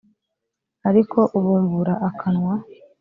ariko ubumbura akanwa